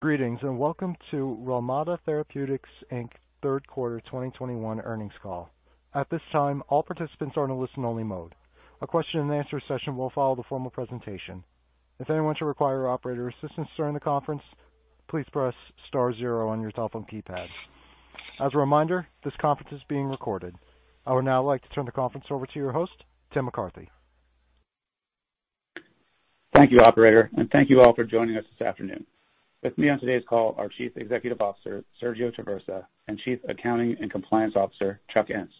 Greetings, and welcome to Relmada Therapeutics, Inc. third quarter 2021 earnings call. At this time, all participants are in a listen-only mode. A question-and-answer session will follow the formal presentation. If anyone should require operator assistance during the conference, please press star zero on your telephone keypad. As a reminder, this conference is being recorded. I would now like to turn the conference over to your host, Tim McCarthy. Thank you, operator, and thank you all for joining us this afternoon. With me on today's call are Chief Executive Officer, Sergio Traversa, and Chief Accounting and Compliance Officer, Chuck Ince.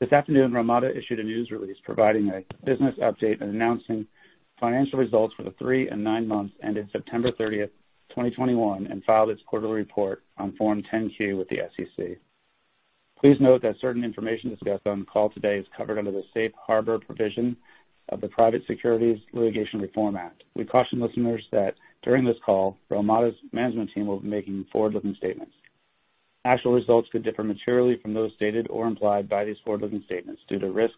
This afternoon, Relmada issued a news release providing a business update and announcing financial results for the three and nine months ended September 30, 2021, and filed its quarterly report on Form 10-Q with the SEC. Please note that certain information discussed on the call today is covered under the safe harbor provision of the Private Securities Litigation Reform Act. We caution listeners that during this call, Relmada's management team will be making forward-looking statements. Actual results could differ materially from those stated or implied by these forward-looking statements due to risks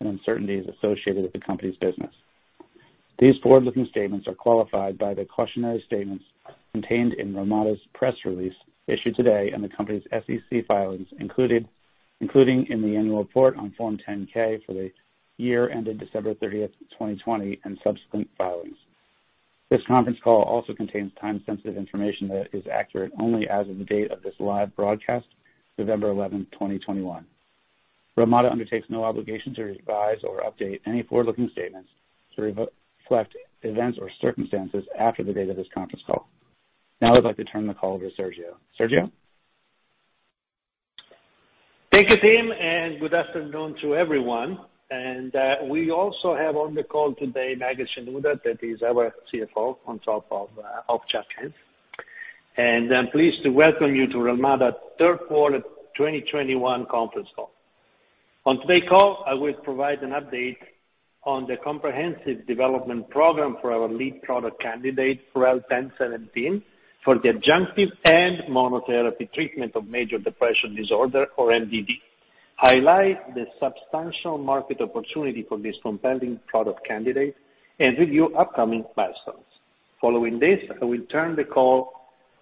and uncertainties associated with the company's business. These forward-looking statements are qualified by the cautionary statements contained in Relmada's press release issued today and the company's SEC filings, including in the annual report on Form 10-K for the year ended December 30, 2020, and subsequent filings. This conference call also contains time-sensitive information that is accurate only as of the date of this live broadcast, November 11, 2021. Relmada undertakes no obligation to revise or update any forward-looking statements to reflect events or circumstances after the date of this conference call. Now I'd like to turn the call over to Sergio. Sergio. Thank you, Tim, and good afternoon to everyone. We also have on the call today, Maged Shenouda, that is our CFO, on top of Chuck Ince. I'm pleased to welcome you to Relmada third quarter 2021 conference call. On today's call, I will provide an update on the comprehensive development program for our lead product candidate, REL-1017, for the adjunctive and monotherapy treatment of major depressive disorder or MDD, highlight the substantial market opportunity for this compelling product candidate and review upcoming milestones. Following this, I will turn the call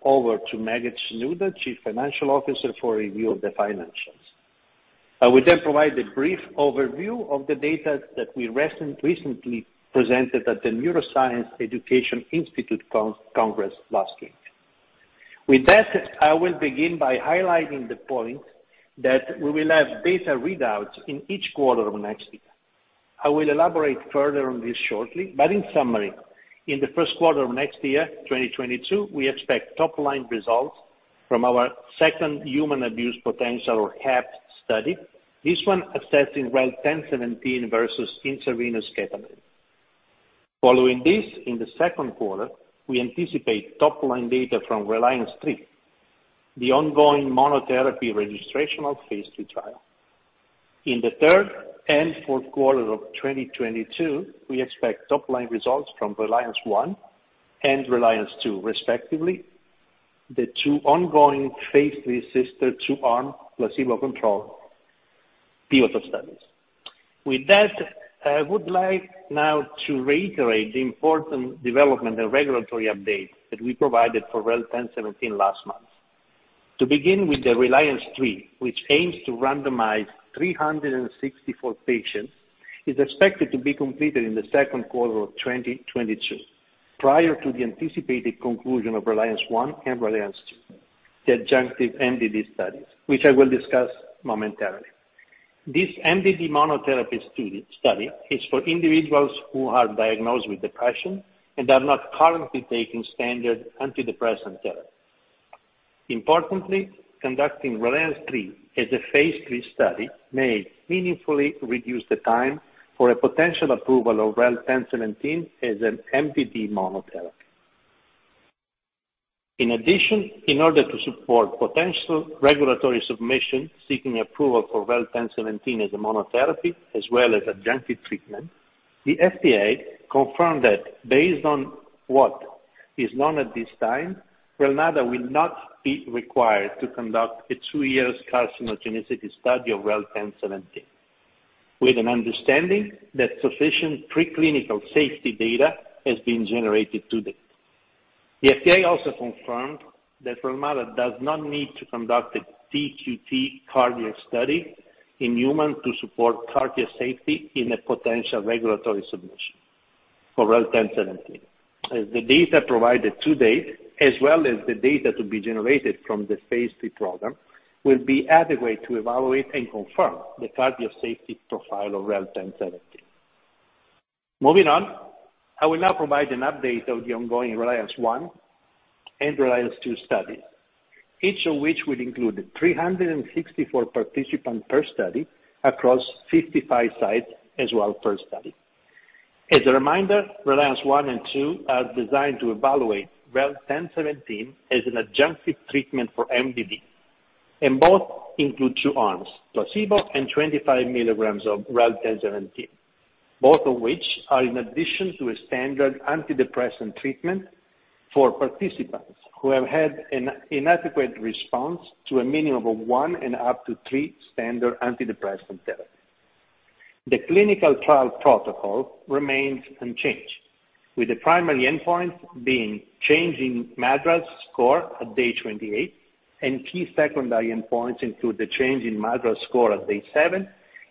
over to Maged Shenouda, Chief Financial Officer, for a review of the financials. I will then provide a brief overview of the data that we recently presented at the Neuroscience Education Institute Congress last week. With that, I will begin by highlighting the point that we will have data readouts in each quarter of next year. I will elaborate further on this shortly, but in summary, in the first quarter of next year, 2022, we expect top-line results from our second human abuse potential or HAP study, this one assessing REL-1017 versus intravenous ketamine. Following this, in the second quarter, we anticipate top-line data from RELIANCE III, the ongoing monotherapy registrational phase III trial. In the third and fourth quarter of 2022, we expect top-line results from RELIANCE I and RELIANCE II respectively, the two ongoing phase III sister-to-arm placebo-controlled pivotal studies. With that, I would like now to reiterate the important development and regulatory updates that we provided for REL-1017 last month. To begin with the RELIANCE III, which aims to randomize 364 patients, is expected to be completed in the second quarter of 2022, prior to the anticipated conclusion of RELIANCE I and RELIANCE II, the adjunctive MDD studies, which I will discuss momentarily. This MDD monotherapy study is for individuals who are diagnosed with depression and are not currently taking standard antidepressant therapy. Importantly, conducting RELIANCE III as a phase III study may meaningfully reduce the time for a potential approval of REL-1017 as an MDD monotherapy. In addition, in order to support potential regulatory submission seeking approval for REL-1017 as a monotherapy as well as adjunctive treatment, the FDA confirmed that based on what is known at this time, Relmada will not be required to conduct a two-year carcinogenicity study of REL-1017, with an understanding that sufficient preclinical safety data has been generated to date. The FDA also confirmed that Relmada does not need to conduct a TQT cardiac study in humans to support cardiac safety in a potential regulatory submission for REL-1017. As the data provided to date as well as the data to be generated from the phase III program will be adequate to evaluate and confirm the cardiac safety profile of REL-1017. Moving on, I will now provide an update of the ongoing RELIANCE I and RELIANCE II studies, each of which will include 364 participants per study across 55 sites as well per study. As a reminder, RELIANCE I and II are designed to evaluate REL-1017 as an adjunctive treatment for MDD, and both include two arms, placebo and 25 milligrams of REL-1017. Both of which are in addition to a standard antidepressant treatment for participants who have had an inadequate response to a minimum of one and up to three standard antidepressant therapies. The clinical trial protocol remains unchanged, with the primary endpoint being change in MADRS score at day 28 and key secondary endpoints include the change in MADRS score at day seven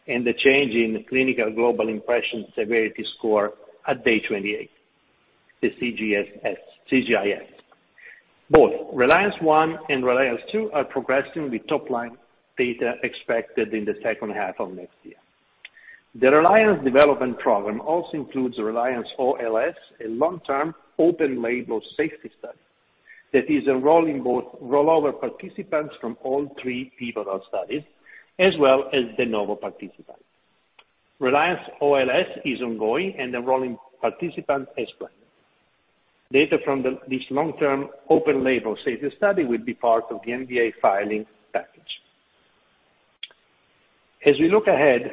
and the change in Clinical Global Impression Severity score at day 28, the CGIS. Both RELIANCE I and RELIANCE II are progressing with top-line data expected in the second half of next year. The RELIANCE development program also includes RELIANCE-OLS, a long-term open-label safety study that is enrolling both rollover participants from all three pivotal studies as well as de novo participants. RELIANCE-OLS is ongoing and enrolling participants as planned. Data from this long-term open-label safety study will be part of the NDA filing package. As we look ahead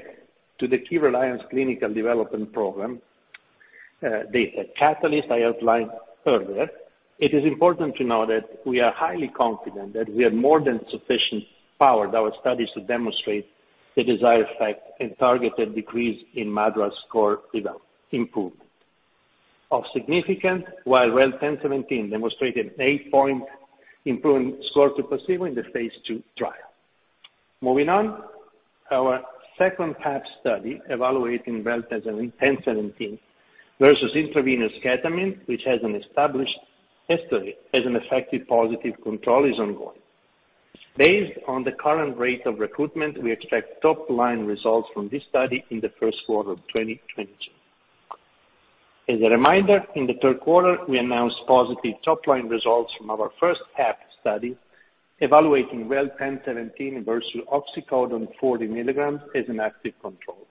to the key RELIANCE clinical development program, data catalyst I outlined earlier, it is important to know that we are highly confident that we have more than sufficient power in our studies to demonstrate the desired effect and targeted decrease in MADRS score result improvement. Of significance, while REL-1017 demonstrated 8-point improvement over placebo in the phase II trial. Moving on. Our second half study evaluating REL-1017 versus intravenous ketamine, which has an established history as an effective positive control, is ongoing. Based on the current rate of recruitment, we expect top line results from this study in the first quarter of 2022. As a reminder, in the third quarter, we announced positive top line results from our first half study evaluating REL-1017 versus oxycodone 40 milligrams as an active control.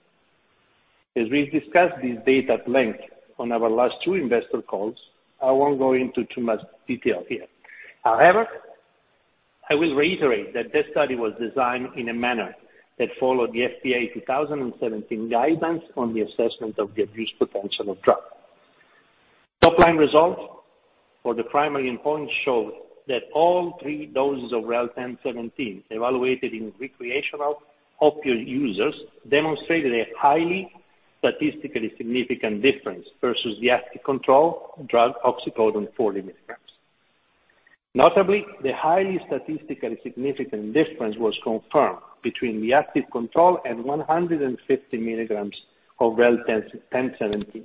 As we discussed this data at length on our last two investor calls, I won't go into too much detail here. However, I will reiterate that this study was designed in a manner that followed the FDA 2017 guidance on the assessment of the abuse potential of drugs. Top line results for the primary endpoint showed that all three doses of REL-1017 evaluated in recreational opiate users demonstrated a highly statistically significant difference versus the active control drug oxycodone 40 mg. Notably, the highly statistically significant difference was confirmed between the active control and 150 mg of REL-1017,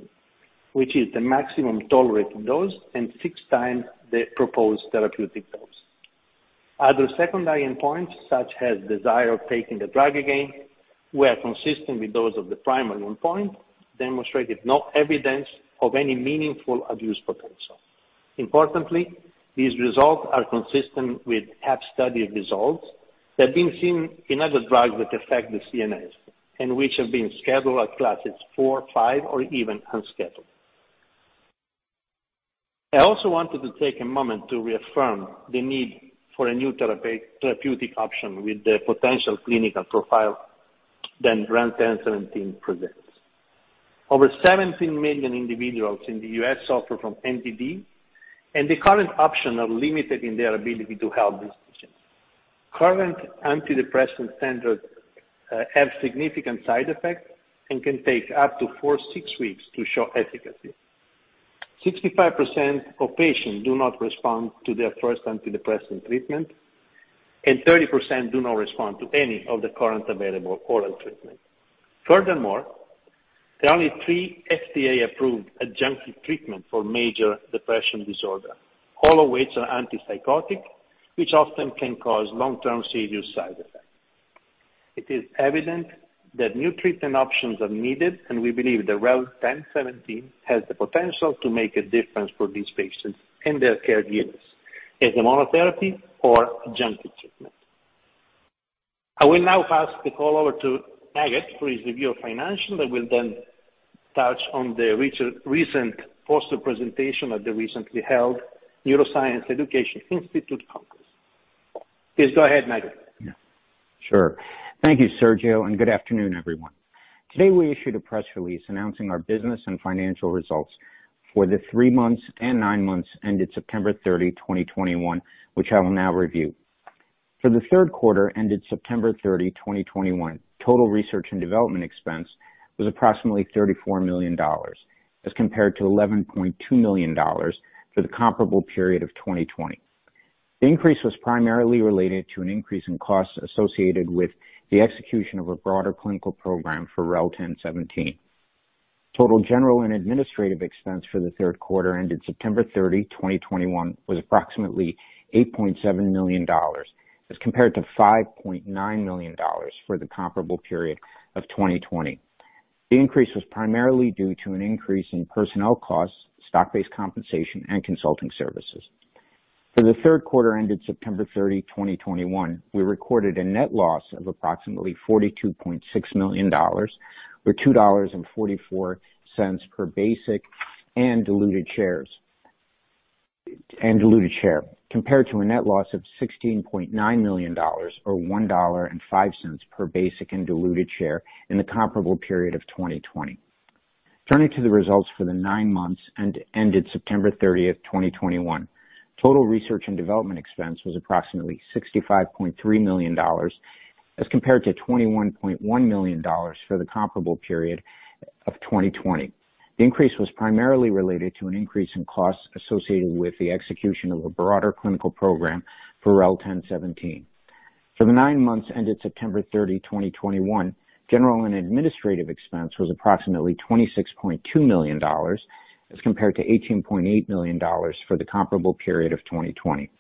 which is the maximum tolerated dose and six times the proposed therapeutic dose. Other secondary endpoints, such as desire of taking the drug again, were consistent with those of the primary endpoint, demonstrated no evidence of any meaningful abuse potential. Importantly, these results are consistent with HAP study results that have been seen in other drugs that affect the CNS and which have been scheduled in schedules IV, V or even unscheduled. I also wanted to take a moment to reaffirm the need for a new therapeutic option with the potential clinical profile that REL-1017 presents. Over 17 million individuals in the U.S. suffer from MDD, and the current options are limited in their ability to help these patients. Current antidepressant standards have significant side effects and can take up to four-six weeks to show efficacy. 65% of patients do not respond to their first antidepressant treatment, and 30% do not respond to any of the current available oral treatment. Furthermore, there are only three FDA-approved adjunctive treatments for major depressive disorder. All of which are antipsychotic, which often can cause long-term serious side effects. It is evident that new treatment options are needed, and we believe that REL-1017 has the potential to make a difference for these patients and their caregivers as a monotherapy or adjunctive treatment. I will now pass the call over to Maged for his review of financials that will then touch on the recent poster presentation at the recently held Neuroscience Education Institute Congress. Please go ahead, Maged. Yeah, sure. Thank you, Sergio, and good afternoon, everyone. Today we issued a press release announcing our business and financial results for the three months and nine months ended September 30, 2021, which I will now review. For the third quarter ended September 30, 2021, total research and development expense was approximately $34 million as compared to $11.2 million for the comparable period of 2020. The increase was primarily related to an increase in costs associated with the execution of a broader clinical program for REL-1017. Total general and administrative expense for the third quarter ended September 30, 2021, was approximately $8.7 million as compared to $5.9 million for the comparable period of 2020. The increase was primarily due to an increase in personnel costs, stock-based compensation and consulting services. For the third quarter ended September 30, 2021, we recorded a net loss of approximately $42.6 million or $2.44 per basic and diluted share, compared to a net loss of $16.9 million or $1.05 per basic and diluted share in the comparable period of 2020. Turning to the results for the nine months ended September 30, 2021. Total research and development expense was approximately $65.3 million, as compared to $21.1 million for the comparable period of 2020. The increase was primarily related to an increase in costs associated with the execution of a broader clinical program for REL-1017. For the nine months ended September 30, 2021, General and administrative expense was approximately $26.2 million as compared to $18.8 million for the comparable period of 2020.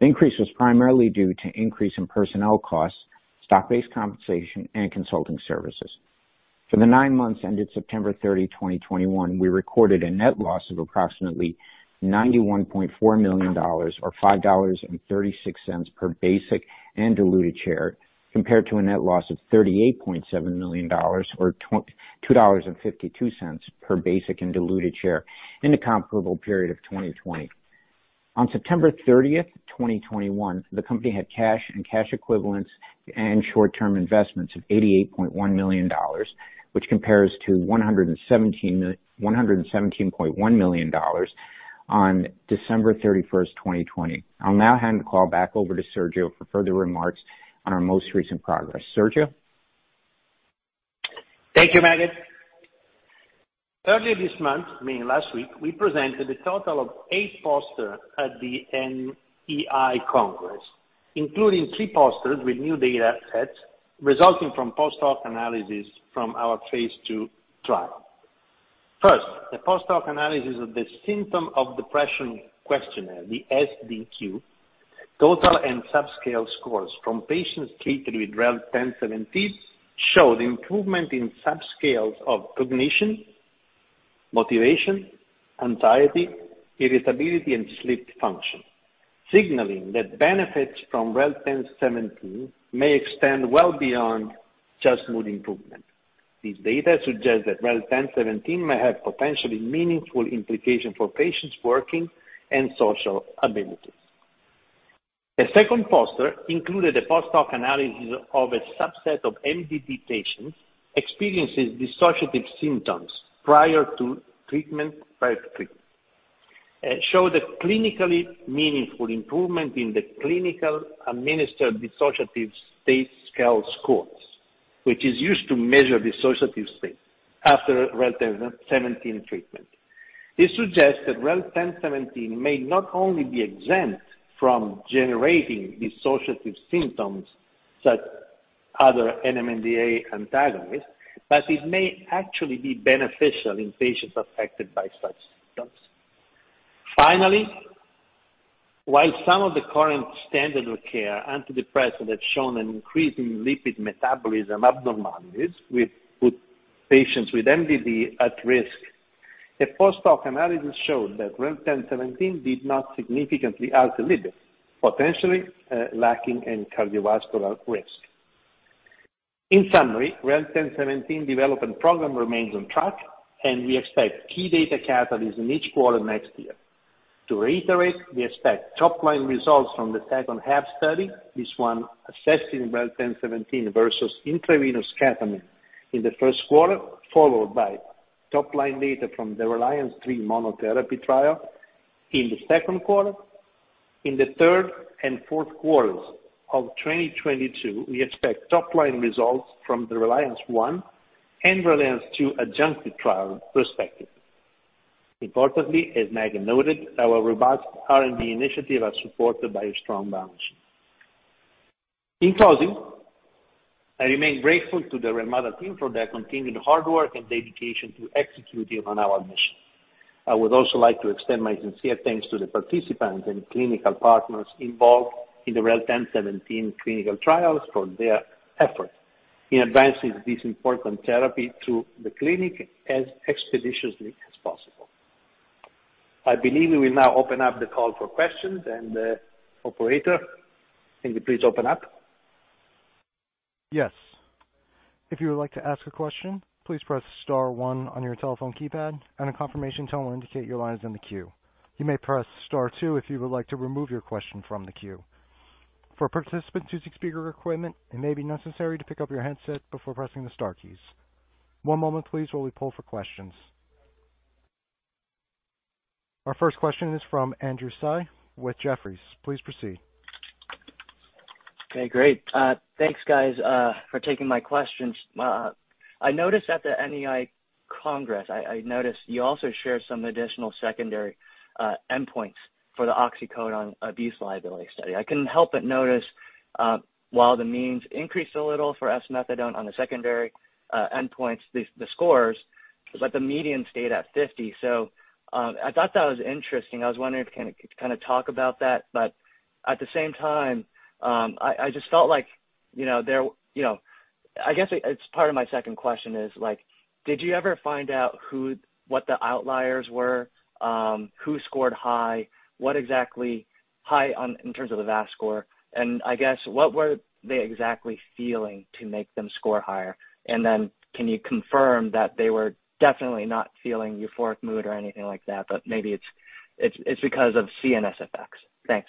The increase was primarily due to increase in personnel costs, stock-based compensation, and consulting services. For the nine months ended September 30, 2021, we recorded a net loss of approximately $91.4 million or $5.36 per basic and diluted share, compared to a net loss of $38.7 million or $2.52 per basic and diluted share in the comparable period of 2020. On September 30, 2021, the company had cash and cash equivalents and short-term investments of $88.1 million, which compares to $117.1 million on December 31, 2020. I'll now hand the call back over to Sergio for further remarks on our most recent progress. Sergio? Thank you, Maged. Earlier this month, meaning last week, we presented a total of eight posters at the NEI Congress, including three posters with new data sets resulting from post-hoc analysis from our phase II trial. First, the post-hoc analysis of the symptom of depression questionnaire, the SDQ, total and subscale scores from patients treated with REL-1017 showed improvement in subscales of cognition, motivation, anxiety, irritability, and sleep function, signaling that benefits from REL-1017 may extend well beyond just mood improvement. This data suggests that REL-1017 may have potentially meaningful implications for patients' working and social abilities. The second poster included a post-hoc analysis of a subset of MDD patients experiencing dissociative symptoms prior to treatment. It showed a clinically meaningful improvement in the Clinician-Administered Dissociative States Scale scores, which is used to measure dissociative state after REL-1017 treatment. This suggests that REL-1017 may not only be exempt from generating dissociative symptoms such other NMDA antagonists, but it may actually be beneficial in patients affected by such symptoms. Finally, while some of the current standard of care antidepressants have shown an increase in lipid metabolism abnormalities put patients with MDD at risk, a post-hoc analysis showed that REL-1017 did not significantly alter lipids, potentially lacking in cardiovascular risk. In summary, REL-1017 development program remains on track, and we expect key data catalysts in each quarter next year. To reiterate, we expect top-line results from the second HAP study, this one assessing REL-1017 versus intravenous ketamine in the first quarter, followed by top-line data from the RELIANCE III monotherapy trial in the second quarter. In the third and fourth quarters of 2022, we expect top-line results from the RELIANCE I and RELIANCE II adjunctive trials, respectively. Importantly, as Megan noted, our robust R&D initiatives are supported by a strong balance sheet. In closing, I remain grateful to the Relmada team for their continued hard work and dedication to executing on our mission. I would also like to extend my sincere thanks to the participants and clinical partners involved in the REL-1017 clinical trials for their effort in advancing this important therapy to the clinic as expeditiously as possible. I believe we will now open up the call for questions. Operator, can you please open up? Yes. If you would like to ask a question, please press star one on your telephone keypad, and a confirmation tone will indicate your line is in the queue. You may press star two if you would like to remove your question from the queue. For participants using speaker equipment, it may be necessary to pick up your handset before pressing the star keys. One moment please, while we pull for questions. Our first question is from Andrew Tsai with Jefferies. Please proceed. Okay, great. Thanks, guys, for taking my questions. I noticed at the NEI Congress you also shared some additional secondary endpoints for the oxycodone abuse liability study. I couldn't help but notice, while the means increased a little for esmethadone on the secondary endpoints, the scores, but the median stayed at 50. So, I thought that was interesting. I was wondering if you can kind of talk about that, but at the same time, I just felt like, you know, there, you know. I guess it's part of my second question is, like, did you ever find out what the outliers were? Who scored high? What exactly high on in terms of the VAS score? And I guess, what were they exactly feeling to make them score higher? Can you confirm that they were definitely not feeling euphoric mood or anything like that, but maybe it's because of CNS effects? Thanks.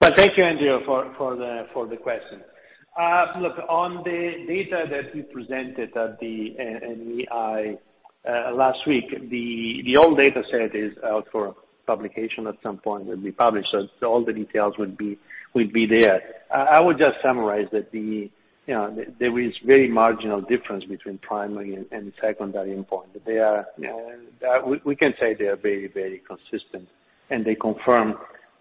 Well, thank you, Andrew, for the question. Look, on the data that we presented at the NEI last week, the old data set is out for publication at some point, will be published, so all the details would be there. I would just summarize that you know, there is very marginal difference between primary and secondary endpoint. We can say they are very consistent and they confirm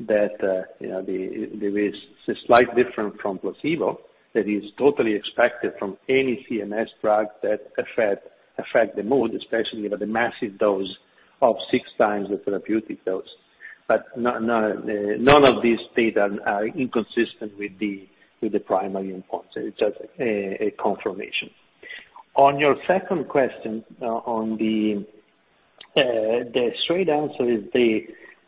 that you know, there is a slight difference from placebo that is totally expected from any CNS drug that affect the mood, especially with a massive dose of six times the therapeutic dose. But none of these data are inconsistent with the primary endpoints. It's just a confirmation. On your second question, on the...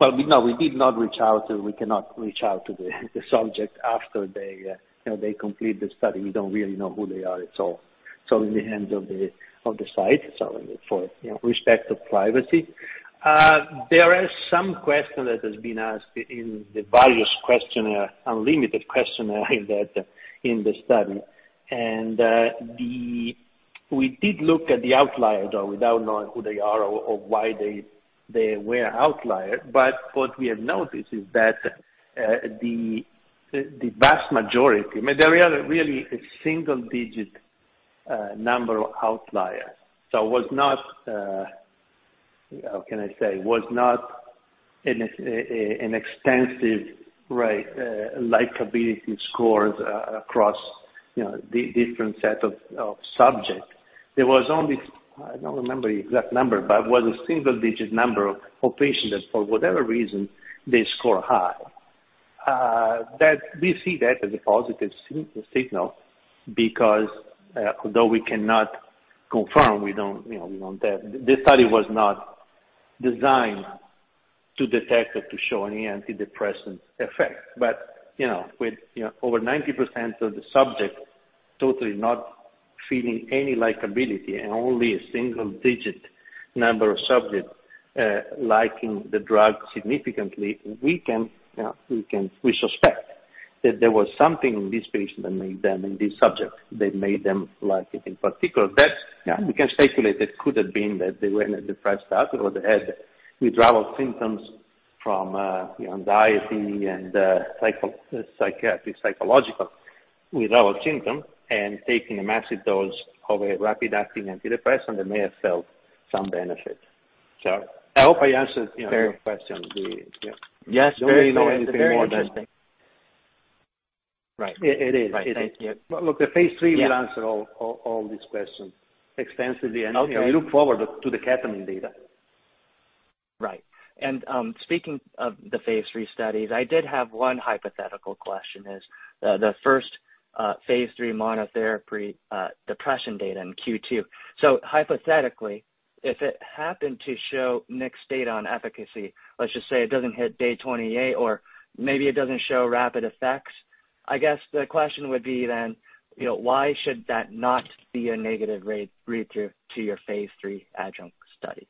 Well, no, we did not reach out to, we cannot reach out to the subjects after they, you know, they complete the study. We don't really know who they are at all. It's all in the hands of the site, so for, you know, respect to privacy. There are some questions that has been asked in the various questionnaire, validated questionnaire in that, in the study. We did look at the outliers, though, without knowing who they are or why they were outlier. But what we have noticed is that the vast majority, I mean, there are really a single digit number of outliers. So was not, how can I say? Was not an extensive rate, likability scores across, you know, different set of subjects. I don't remember the exact number, but it was a single digit number of patients that for whatever reason they score high. We see that as a positive signal because, though we cannot confirm, we don't, you know, we don't have. The study was not designed to detect or to show any antidepressant effect. You know, with, you know, over 90% of the subjects totally not feeling any likability and only a single digit number of subjects liking the drug significantly, we suspect that there was something in these patients that made them, in these subjects, that made them like it in particular. That's, you know, we can speculate it could have been that they were in a depressed state or they had withdrawal symptoms from, you know, anxiety and, psycho, psychiatric, psychological withdrawal symptoms and taking a massive dose of a rapid acting antidepressant, they may have felt some benefit. I hope I answered, you know, your question. The- Yes. Don't know anything more than. Very interesting. Right. It is. Thank you. Look, the phase III Yeah. will answer all these questions extensively. Okay. We look forward to the ketamine data. Right. Speaking of the phase III studies, I did have one hypothetical question is, the first, phase III monotherapy, depression data in Q2. Hypothetically, if it happened to show mixed data on efficacy, let's just say it doesn't hit day 28 or maybe it doesn't show rapid effects. I guess the question would be then, you know, why should that not be a negative read through to your phase III adjunct studies?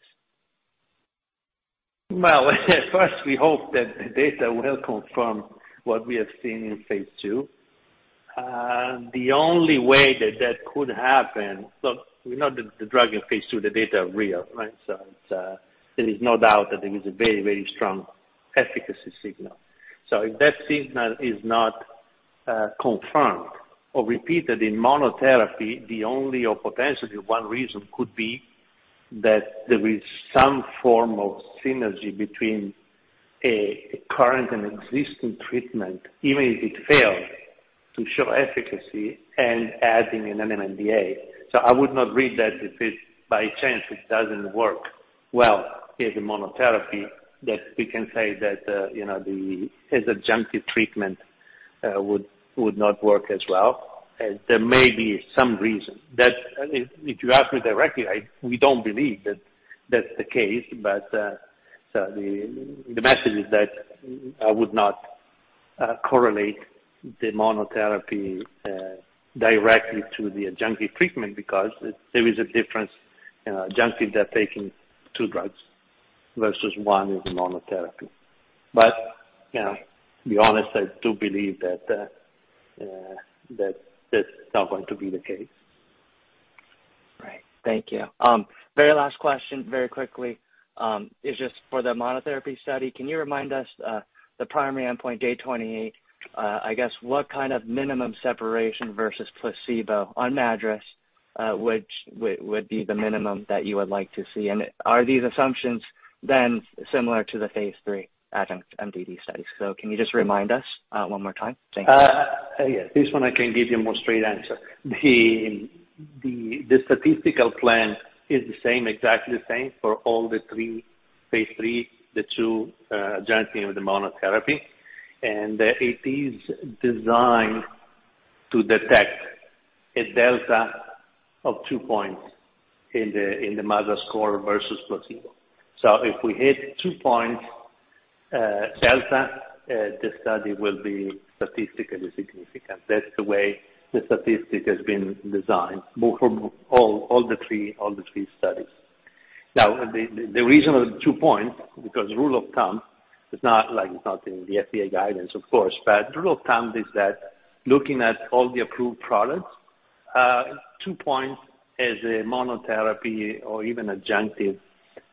Well, first we hope that the data will confirm what we have seen in phase II. The only way that, that could happen. Look, we know the drug in phase II, the data are real, right? There is no doubt that there is a very, very strong efficacy signal. If that signal is not confirmed or repeated in monotherapy, the only or potentially one reason could be that there is some form of synergy between a current and existing treatment, even if it fails to show efficacy and adding an NMDA. I would not read that if, by chance, it doesn't work well in the monotherapy that we can say that, you know, the adjunctive treatment would not work as well. There may be some reason. If you ask me directly, we don't believe that that's the case. The message is that I would not correlate the monotherapy directly to the adjunctive treatment because there is a difference, you know, adjunctive, they're taking two drugs versus one in the monotherapy. To be honest, I do believe that that's not going to be the case. Right. Thank you. Very last question, very quickly, is just for the monotherapy study. Can you remind us the primary endpoint day 28, I guess what kind of minimum separation versus placebo on MADRS, which would be the minimum that you would like to see? And are these assumptions then similar to the phase III adjunct MDD studies? Can you just remind us one more time? Thank you. Yeah, this one I can give you a more straight answer. The statistical plan is the same, exactly the same, for all three phase III, the two adjunctive and the monotherapy. It is designed to detect a delta of two points in the MADRS score versus placebo. If we hit two points delta, the study will be statistically significant. That's the way the statistic has been designed for all three studies. Now, the reason of two points, because rule of thumb is not like it's not in the FDA guidance, of course, but rule of thumb is that looking at all the approved products, two points as a monotherapy or even adjunctive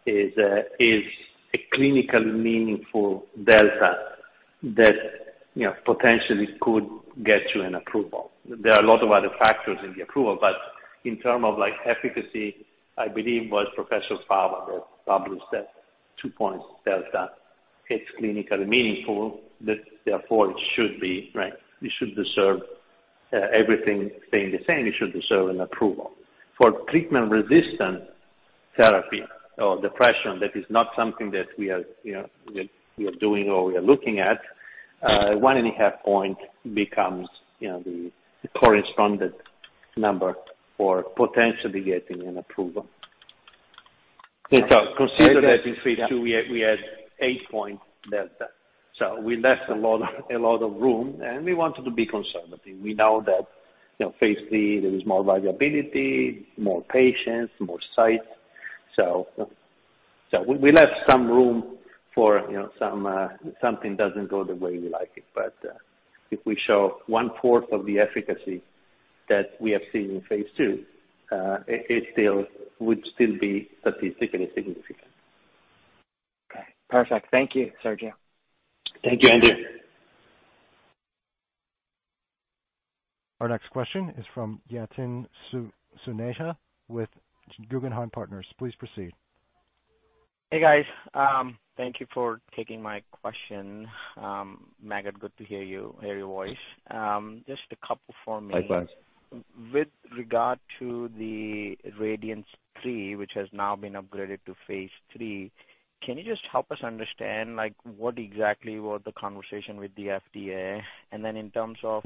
is a clinically meaningful delta that, you know, potentially could get you an approval. There are a lot of other factors in the approval, but in terms of like efficacy, I believe it was Professor Fava that published that two points delta. It's clinically meaningful that therefore it should be, right? It should deserve everything staying the same. It should deserve an approval. For treatment-resistant depression, that is not something that we are, you know, doing or we are looking at. 1.5-point becomes, you know, the corresponding number for potentially getting an approval. Okay. Consider that in phase II we had eight point delta. We left a lot of room and we wanted to be conservative. We know that, you know, phase III there is more variability, more patients, more sites. We left some room for, you know, something doesn't go the way we like it, but if we show one-fourth of the efficacy that we have seen in phase II, it still would be statistically significant. Okay, perfect. Thank you, Sergio. Thank you, Andrew. Our next question is from Yatin Suneja with Guggenheim Partners. Please proceed. Hey, guys. Thank you for taking my question. Maged, good to hear your voice. Just a couple for me. Likewise. With regard to the RELIANCE III, which has now been upgraded to phase III, can you just help us understand, like, what exactly was the conversation with the FDA? In terms of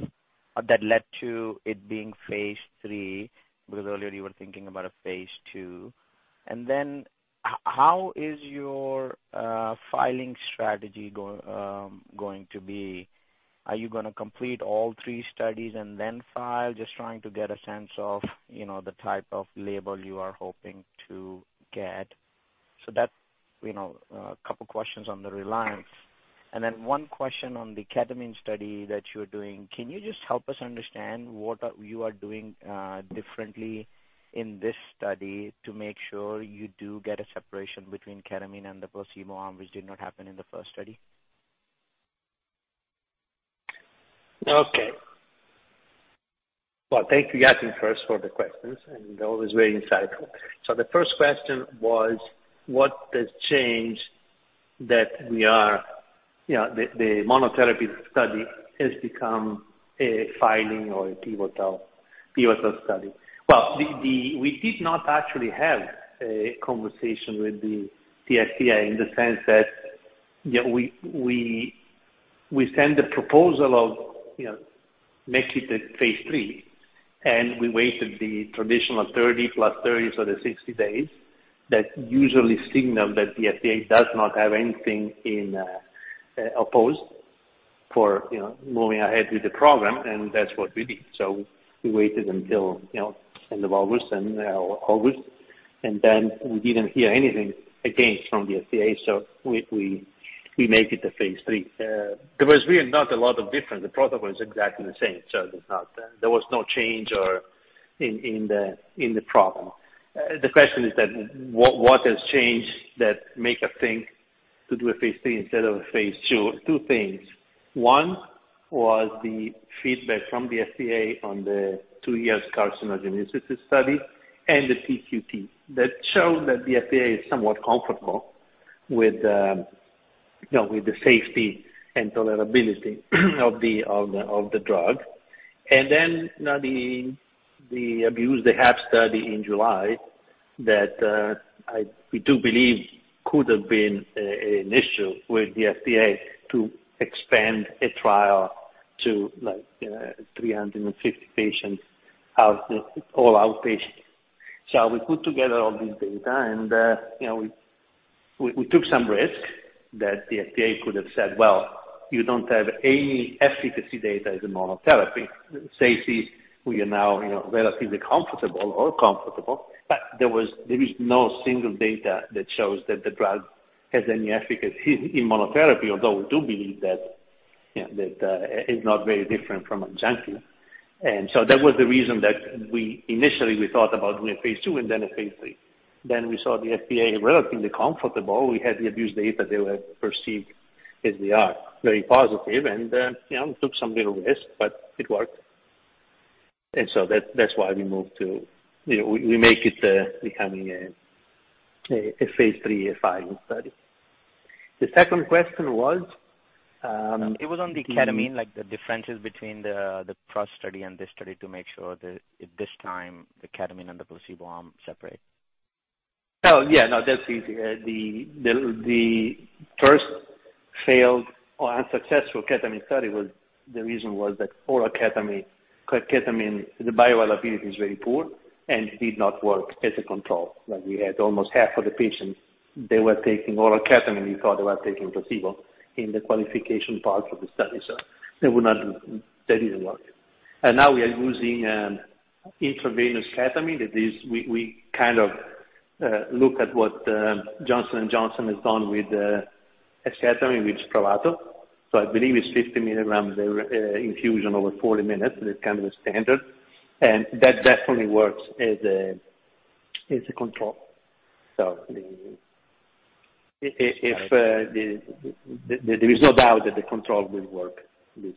that led to it being phase III, because earlier you were thinking about a phase II. How is your filing strategy going to be? Are you gonna complete all three studies and then file? Just trying to get a sense of, you know, the type of label you are hoping to get. That's, you know, a couple questions on the RELIANCE. One question on the ketamine study that you're doing. Can you just help us understand what you are doing differently in this study to make sure you do get a separation between ketamine and the placebo arm, which did not happen in the first study? Okay. Well, thank you, Yatin, first for the questions, and always very insightful. The first question was, what has changed that we are, you know, the monotherapy study has become a filing or a pivotal study? We did not actually have a conversation with the FDA in the sense that, you know, we send a proposal to make it a phase III, and we waited the traditional 30 + 30, so the 60 days that usually signal that the FDA does not have anything opposed to moving ahead with the program, and that's what we did. We waited until, you know, end of August, and then we didn't hear anything back from the FDA. We make it a phase III. There was really not a lot of difference. The protocol is exactly the same. There was no change in the problem. The question is what has changed that makes us do a phase III instead of a phase II? Two things. One was the feedback from the FDA on the two-year carcinogenicity study and the TQT that showed that the FDA is somewhat comfortable with the safety and tolerability of the drug. Now the HAP study in July that we do believe could have been an issue with the FDA to expand a trial to 350 patients—all outpatient. We put together all this data and, you know, we took some risk that the FDA could have said, "Well, you don't have any efficacy data as a monotherapy. Safety, we are now, you know, relatively comfortable or comfortable." There was, there is no single data that shows that the drug has any efficacy in monotherapy, although we do believe that, you know, that is not very different from adjunctive. That was the reason that we initially thought about doing a phase II and then a phase III. We saw the FDA relatively comfortable. We had the abuse data they were perceived as they are very positive and, you know, took some little risk, but it worked. That's why we moved to, you know, we make it becoming a phase III filing study. The second question was, It was on the ketamine, like the differences between the first study and this study to make sure that this time the ketamine and the placebo arm separate. Oh, yeah. No, that's easy. The first failed or unsuccessful ketamine study, the reason was that oral ketamine, the bioavailability is very poor and did not work as a control. Like we had almost half of the patients, they were taking oral ketamine and we thought they were taking placebo in the qualification part of the study. They didn't work. Now we are using intravenous ketamine. That is, we kind of look at what Johnson & Johnson has done with esketamine, which is Spravato. I believe it's 50 milligrams infusion over 40 minutes, and it's kind of the standard. That definitely works as a control. There is no doubt that the control will work this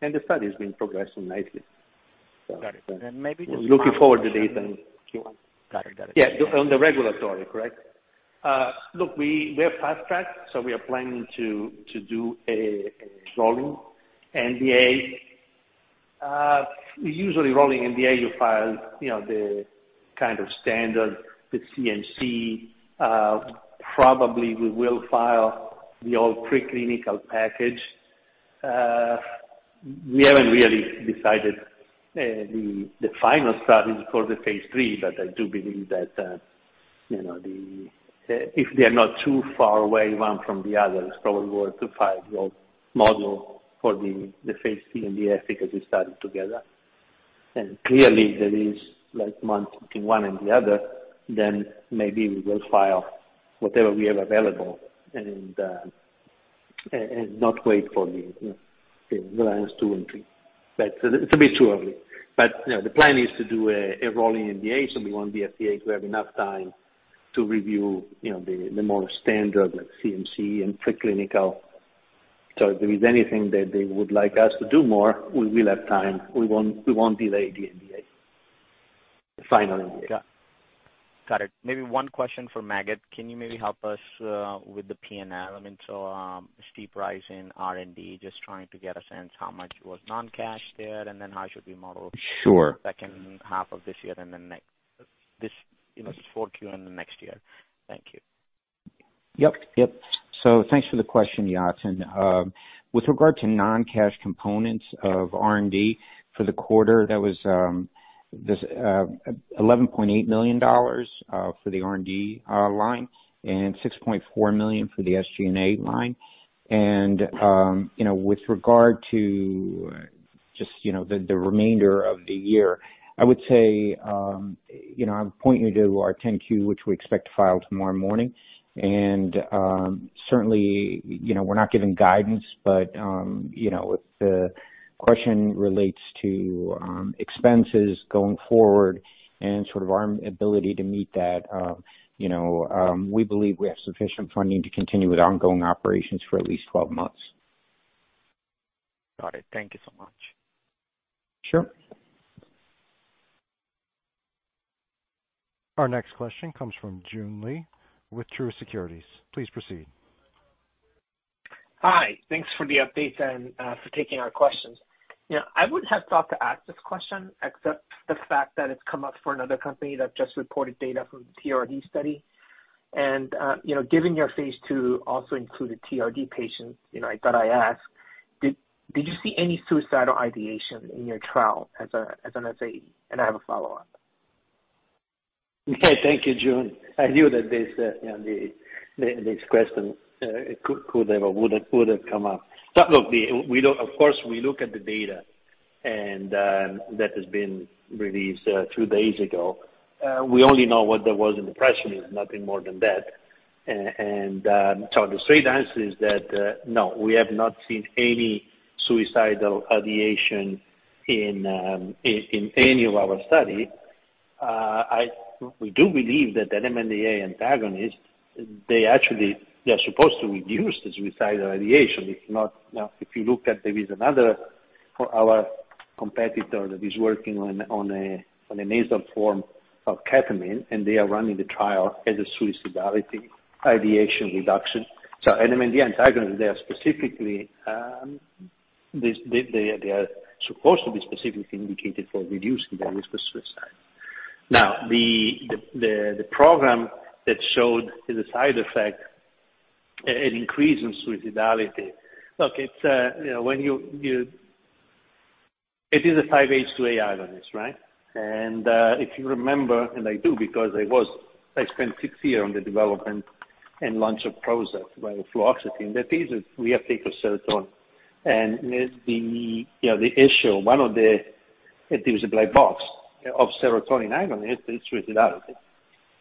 time. The study has been progressing nicely. Got it. Maybe just- Looking forward to data. Got it. Yeah. On the regulatory, correct? Look, we are fast track, so we are planning to do a rolling NDA. Usually rolling NDA, you file, you know, the kind of standard, the CMC. Probably we will file the all preclinical package. We haven't really decided the final studies for the phase III, but I do believe that, you know, if they are not too far away, one from the other, it's probably worth to file all modules for the phase III NDA because we studied together. Clearly there is like a month between one and the other, then maybe we will file whatever we have available and not wait for, you know, the RELIANCE II and III. It's a bit too early. You know, the plan is to do a rolling NDA, so we want the FDA to have enough time to review, you know, the more standard like CMC and preclinical. So if there is anything that they would like us to do more, we will have time. We won't delay the NDA. The final NDA. Got it. Maybe one question for Maged. Can you maybe help us with the P&L? I mean, so, steep rise in R&D, just trying to get a sense how much was non-cash there and then how should we model- Sure. The second half of this year and the next, you know, this fourth Q and the next year. Thank you. Thanks for the question, Yatin. With regard to non-cash components of R&D for the quarter, that was this $11.8 million for the R&D line and $6.4 million for the SG&A line. You know, with regard to just you know the remainder of the year, I would say you know I would point you to our 10-Q, which we expect to file tomorrow morning. Certainly, you know, we're not giving guidance, but you know if the question relates to expenses going forward and sort of our ability to meet that you know we believe we have sufficient funding to continue with ongoing operations for at least 12 months. Got it. Thank you so much. Sure. Our next question comes from Joon Lee with Truist Securities. Please proceed. Hi. Thanks for the update and for taking our questions. You know, I wouldn't have thought to ask this question except the fact that it's come up for another company that just reported data from TRD study. You know, given your phase II also included TRD patients, you know, I thought I'd ask, did you see any suicidal ideation in your trial as an SA? I have a follow-up. Okay. Thank you, Joon. I knew that you know this question could have or would have come up. Look, of course, we look at the data that has been released two days ago. We only know what there was in depression, nothing more than that. The straight answer is that no, we have not seen any suicidal ideation in any of our study. We do believe that the NMDA antagonist they actually are supposed to reduce the suicidal ideation. If not, if you look, there is another for our competitor that is working on a nasal form of ketamine, and they are running the trial as a suicidal ideation reduction. NMDA antagonist, they are specifically indicated for reducing the risk of suicide. Now, the program that showed the side effect, it increased in suicidality. Look, you know, it is a 5-HT2A agonist, right? If you remember, and I do because I spent six years on the development and launch of Prozac, right? Fluoxetine. That is a reuptake of serotonin. You know, the issue, one of the, it is a black box of serotonin agonist is suicidality.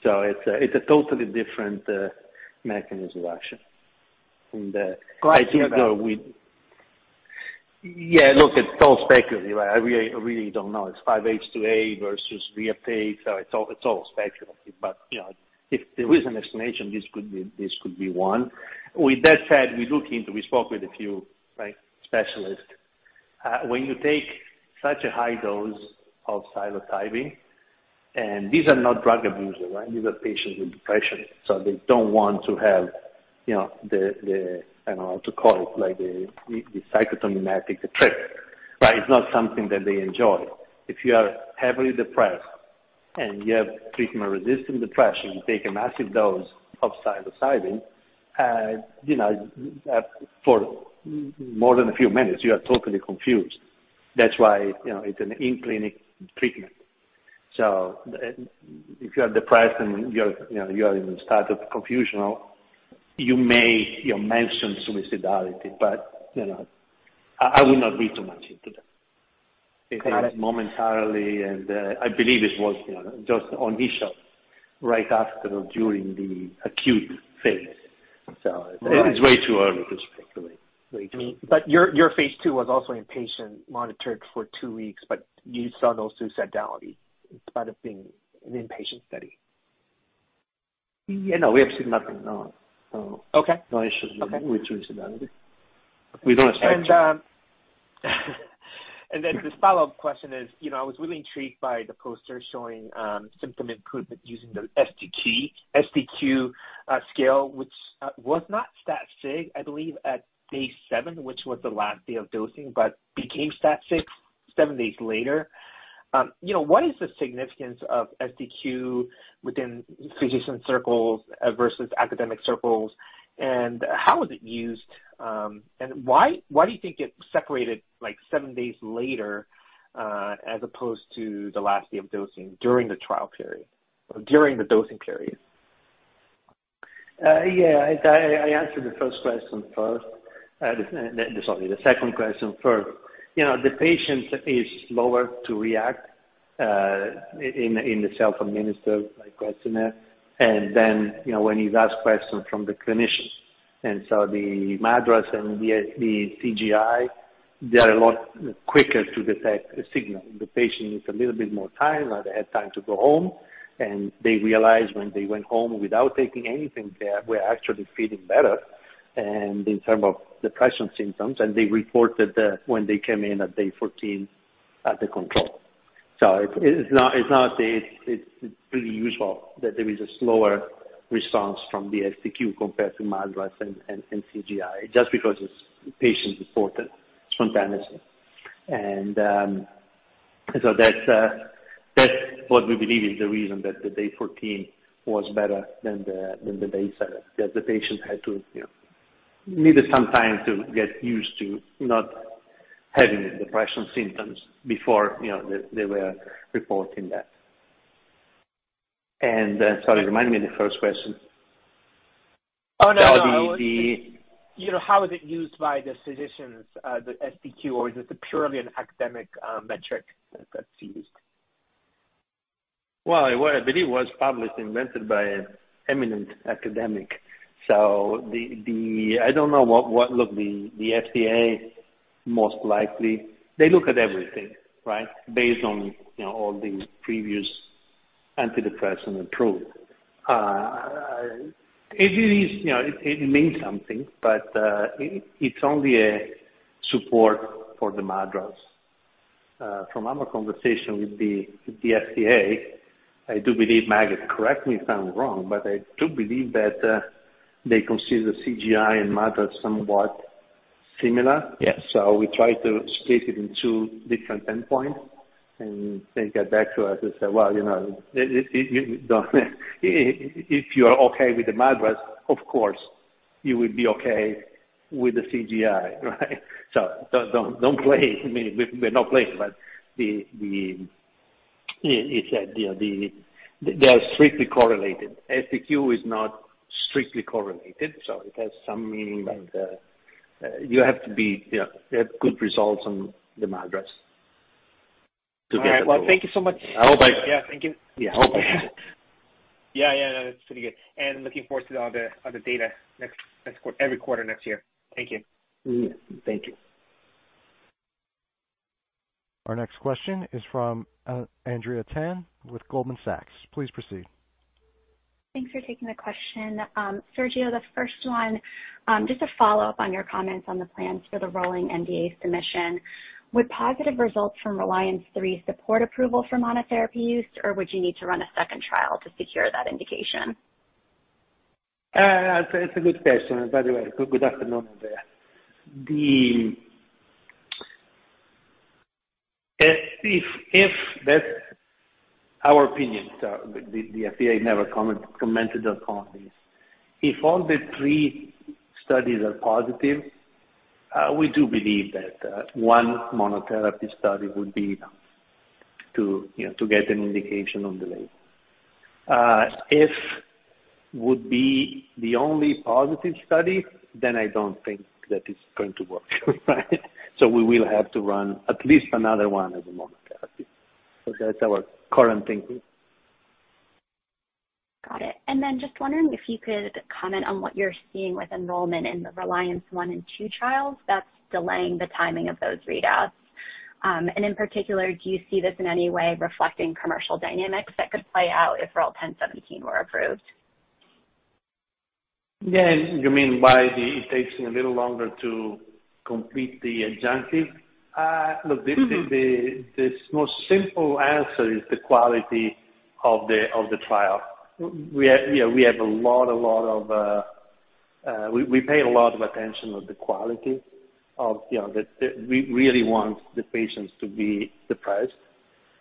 It's a totally different mechanism of action. I think, you know, we- Got you. Yeah, look, it's all speculative. I really don't know. It's 5-HT2A versus reuptake. So it's all speculative. But you know, if there is an explanation, this could be one. With that said, we spoke with a few specialists. When you take such a high dose of psilocybin, and these are not drug abusers, right? These are patients with depression, so they don't want to have, you know, the psychotomimetic, the trip, right? It's not something that they enjoy. If you are heavily depressed and you have treatment-resistant depression, you take a massive dose of psilocybin for more than a few minutes, you are totally confused. That's why, you know, it's an in-clinic treatment. If you are depressed and you're, you know, you are in the state of confusion, you may, you know, mention suicidality, but, you know, I would not read too much into that. It comes momentarily and I believe it was, you know, just on initial, right after or during the acute phase. It's way too early to speculate. Way too early. Your phase II was also inpatient, monitored for two weeks, but you saw no suicidality in spite of being an inpatient study. Yeah, no, we have seen nothing, no. Okay. No issues with suicidality. We don't expect to. The follow-up question is, you know, I was really intrigued by the poster showing symptom improvement using the SDQ scale, which was not stat sig, I believe, at day seven, which was the last day of dosing, but became stat sig seven days later. You know, what is the significance of SDQ within physician circles versus academic circles, and how is it used? Why do you think it separated like seven days later, as opposed to the last day of dosing during the trial period or during the dosing period? Yeah, I answered the first question first. Sorry, the second question first. You know, the patient is slower to react in the self-administered, like, questionnaire. You know, when he's asked questions from the clinicians. The MADRS and the CGI, they're a lot quicker to detect a signal. The patient needs a little bit more time. They have time to go home, and they realize when they went home without taking anything, they were actually feeling better in terms of depression symptoms, and they reported that when they came in at day 14 at the clinic. It's pretty usual that there is a slower response from the SDQ compared to MADRS and CGI just because it's patient-reported spontaneously. That's what we believe is the reason that the day 14 was better than the day seven, that the patient had to you know needed some time to get used to not having depression symptoms before you know they were reporting that. Sorry, remind me of the first question. Oh, no. The, the- You know, how is it used by the physicians, the SDQ or is it purely an academic metric that that's used? Well, I believe it was published, invented by an eminent academic. The FDA most likely they look at everything, right? Based on, you know, all the previous antidepressants approved. It is, you know, it means something, but it's only a support for the MADRS. From our conversation with the FDA, I do believe, Maged, correct me if I'm wrong, but I do believe that they consider CGI and MADRS somewhat similar. Yes. We try to split it in two different endpoints and they get back to us and say, "Well, you know, if you are okay with the MADRS, of course you will be okay with the CGI, right?" Don't play. I mean, we're not playing, but they are strictly correlated. SDQ is not strictly correlated. So it has some meaning. Right. You have to, you know, have good results on the MADRS to get approval. All right. Well, thank you so much. I hope I- Yeah, thank you. Yeah. I hope I helped. Yeah, that's pretty good. Looking forward to all the data every quarter next year. Thank you. Thank you. Our next question is from Andrea Tan with Goldman Sachs. Please proceed. Thanks for taking the question. Sergio, the first one, just a follow-up on your comments on the plans for the rolling NDA submission. Would positive results from RELIANCE III support approval for monotherapy use or would you need to run a second trial to secure that indication? It's a good question by the way. Good afternoon. If that's our opinion, so the FDA never commented upon this. If all the three studies are positive, we do believe that one monotherapy study would be enough to, you know, to get an indication on the label. If it would be the only positive study then I don't think that it's going to work, right? We will have to run at least another one as a monotherapy. That's our current thinking. Got it. Just wondering if you could comment on what you're seeing with enrollment in the RELIANCE I and II trials that's delaying the timing of those readouts. In particular, do you see this in any way reflecting commercial dynamics that could play out if REL-1017 were approved? Yeah. You mean why it takes a little longer to complete the adjunctive? Look, the- Mm-hmm. The most simple answer is the quality of the trial. We you know pay a lot of attention on the quality of you know the trial. We really want the patients to be depressed.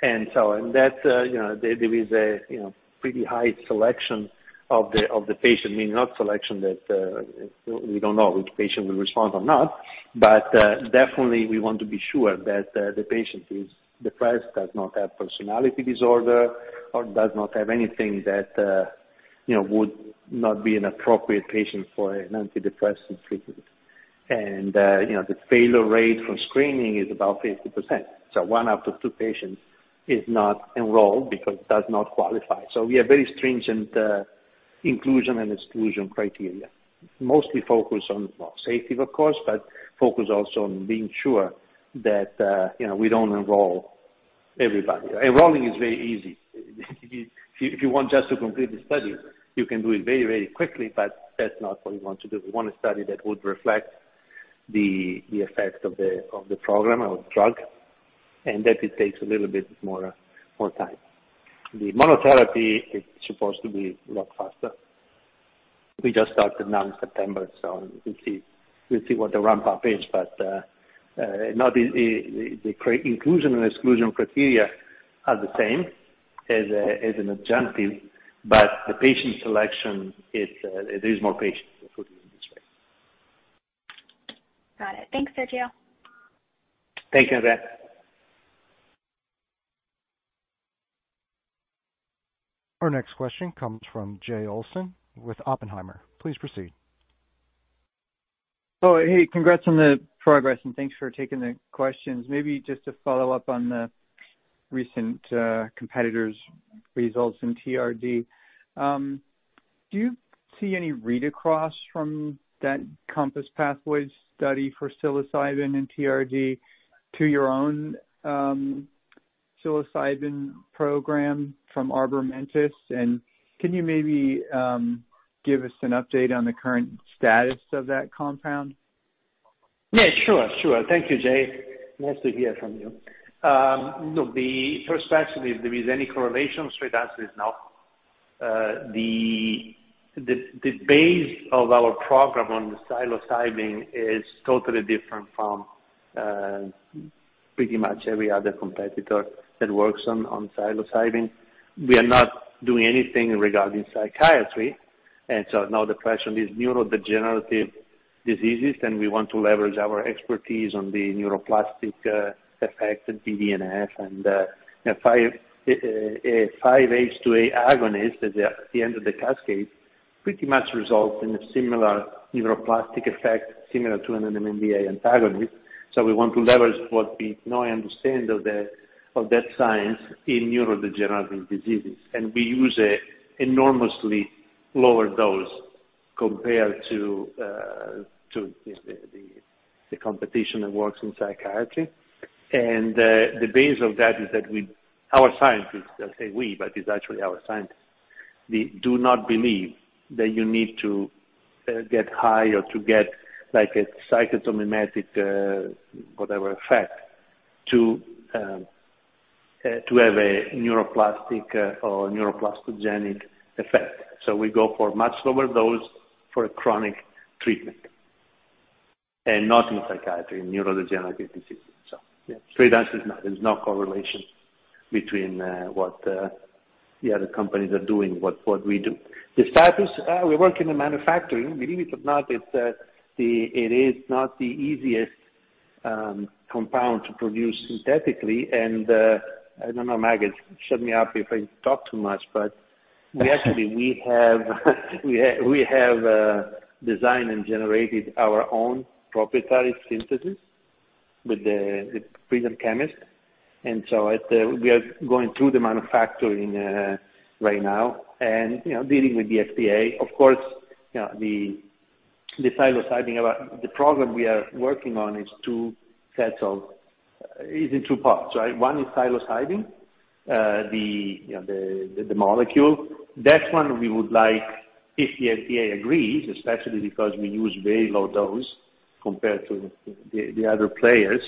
That you know there is a you know pretty high selection of the patient. Meaning not selection that we don't know which patient will respond or not. Definitely we want to be sure that the patient is depressed, does not have personality disorder, or does not have anything that you know would not be an appropriate patient for an antidepressant treatment. You know the failure rate from screening is about 50%. One out of two patients is not enrolled because it does not qualify. We have very stringent inclusion and exclusion criteria. Mostly focused on safety of course, but focused also on being sure that you know, we don't enroll everybody. Enrolling is very easy. If you want just to complete the study, you can do it very quickly, but that's not what we want to do. We want a study that would reflect the effect of the program, of the drug, and that it takes a little bit more time. The monotherapy is supposed to be a lot faster. We just started now in September, so we'll see what the ramp-up is. Now the inclusion and exclusion criteria are the same as an adjunctive, but the patient selection is more patients. Got it. Thanks, Sergio. Thank you, Andrea Tan. Our next question comes from Jay Olson with Oppenheimer. Please proceed. Oh, hey, congrats on the progress and thanks for taking the questions. Maybe just to follow up on the recent competitors' results in TRD. Do you see any read across from that Compass Pathways study for psilocybin and TRD to your own psilocybin program from Arbormentis? And can you maybe give us an update on the current status of that compound? Yeah, sure. Thank you, Jay. Nice to hear from you. Look, the first question, if there is any correlation, straight answer is no. The base of our program on psilocybin is totally different from pretty much every other competitor that works on psilocybin. We are not doing anything regarding psychiatry, and now the question is neurodegenerative diseases, and we want to leverage our expertise on the neuroplastic effect in BDNF and you know, 5-HT2A agonist at the end of the cascade pretty much results in a similar neuroplastic effect, similar to an NMDA antagonist. We want to leverage what we know and understand of that science in neurodegenerative diseases. We use an enormously lower dose compared to the competition that works in psychiatry. The base of that is that our scientists, I say we, but it's actually our scientists. We do not believe that you need to get high or to get like a psychotomimetic whatever effect to have a neuroplastic or neuroplastogenic effect. We go for much lower dose for a chronic treatment and not in psychiatry, neurodegenerative disease. Yeah, straight answer is no. There's no correlation between what the other companies are doing, what we do. The status we work in the manufacturing. Believe it or not, it is not the easiest compound to produce synthetically. I don't know, Maggie, shut me up if I talk too much. We actually have designed and generated our own proprietary synthesis with the PRISM chemist. We are going through the manufacturing right now and, you know, dealing with the FDA. Of course, you know, the psilocybin program we are working on is in two parts, right? One is psilocybin, you know, the molecule. That one we would like if the FDA agrees, especially because we use very low dose compared to the other players.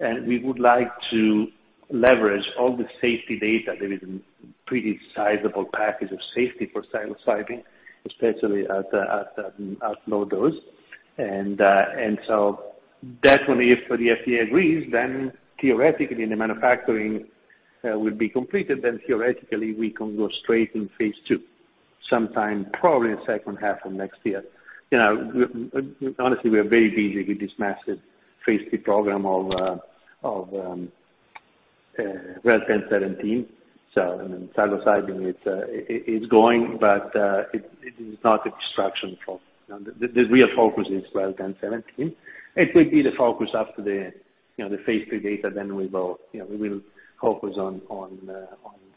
We would like to leverage all the safety data. There is a pretty sizable package of safety for psilocybin, especially at low dose. Definitely if the FDA agrees, then theoretically the manufacturing will be completed, then theoretically we can go straight in phase II sometime probably in second half of next year. You know, honestly, we are very busy with this massive phase III program of REL-1017. I mean, psilocybin, it's going but it is not a distraction from the real focus. The real focus is REL-1017. It will be the focus after the, you know, the phase III data then we will, you know, focus on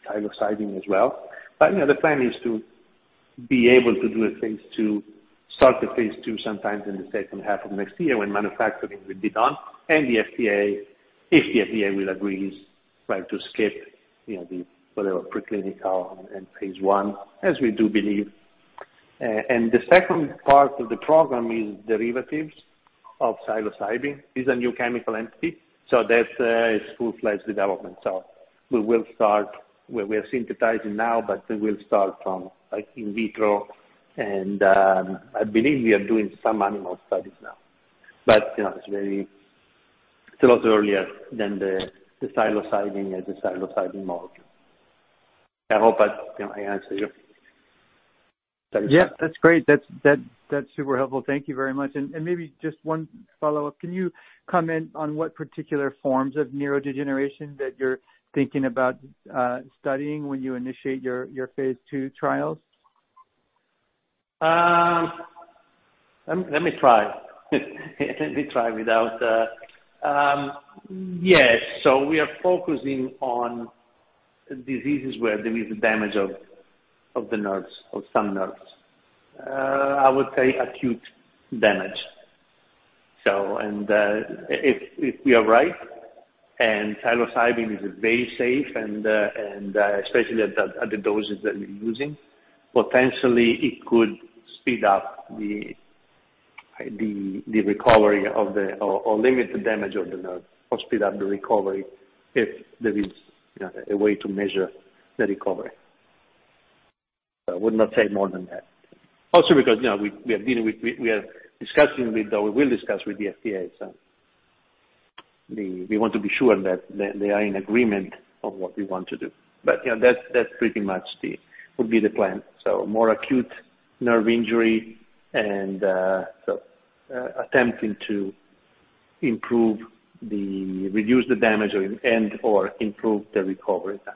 psilocybin as well. You know, the plan is to be able to do a phase II, start the phase II sometime in the second half of next year when manufacturing will be done. The FDA, if the FDA will agree, right, to skip the whatever preclinical and phase I as we do believe. The second part of the program is derivatives of psilocybin. It's a new chemical entity, so that is full-fledged development. We will start, we are synthesizing now, but we will start from like in vitro and I believe we are doing some animal studies now. You know, it's very, it's a lot earlier than the psilocybin and the psilocybin molecule. I hope that, you know, I answered you. Yeah, that's great. That's super helpful. Thank you very much. Maybe just one follow-up. Can you comment on what particular forms of neurodegeneration that you're thinking about studying when you initiate your phase II trials? We are focusing on diseases where there is damage of the nerves, some nerves. I would say acute damage. If we are right and psilocybin is very safe and especially at the doses that we're using, potentially it could speed up the recovery of the nerve or limit the damage of the nerve or speed up the recovery if there is, you know, a way to measure the recovery. I would not say more than that. Also because, you know, we are discussing with or will discuss with the FDA, so we want to be sure that they are in agreement on what we want to do. You know, that's pretty much that would be the plan. More acute nerve injury and attempting to reduce the damage or improve the recovery time.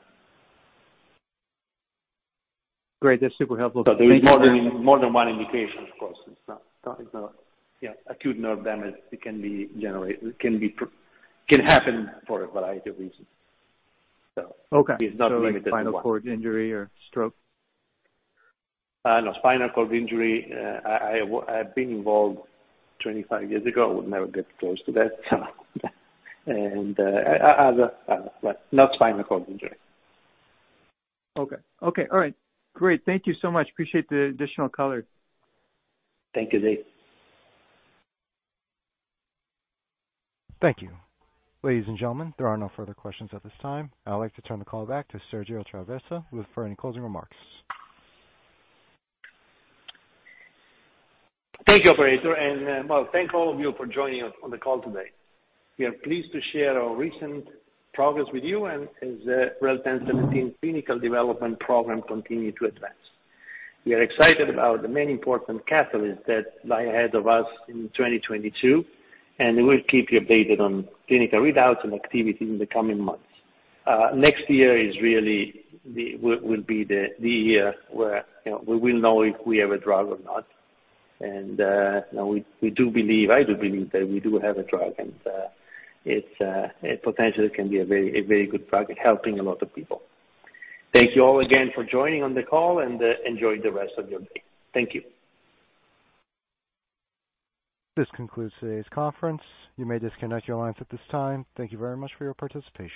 Great. That's super helpful. Thank you. There is more than one indication, of course. It's not. Yeah, acute nerve damage it can be generally can happen for a variety of reasons, so. Okay. It's not limited to one. Like spinal cord injury or stroke? No spinal cord injury. I've been involved 25 years ago. I would never get close to that. Other, but not spinal cord injury. Okay. Okay, all right. Great. Thank you so much. Appreciate the additional color. Thank you, Jay Olson. Thank you. Ladies and gentlemen, there are no further questions at this time. I would like to turn the call back to Sergio Traversa for any closing remarks. Thank you, operator. Well, thank all of you for joining us on the call today. We are pleased to share our recent progress with you and REL-1017 clinical development program continue to advance. We are excited about the many important catalysts that lie ahead of us in 2022, and we will keep you updated on clinical readouts and activity in the coming months. Next year will be the year where, you know, we will know if we have a drug or not. You know, we do believe, I do believe that we do have a drug and it potentially can be a very good drug helping a lot of people. Thank you all again for joining on the call and enjoy the rest of your day. Thank you. This concludes today's conference. You may disconnect your lines at this time. Thank you very much for your participation.